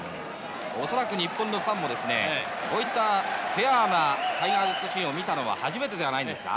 恐らく、日本のファンもこういったフェアーなタイガー・ジェットシンを見たのは初めてではないですか？